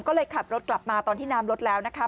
ก็เลยขับรถกลับมาตอนที่น้ำลดแล้วนะคะ